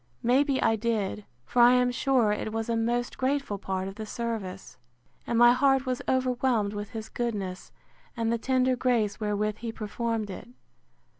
May be I did; for I am sure it was a most grateful part of the service, and my heart was overwhelmed with his goodness, and the tender grace wherewith he performed it.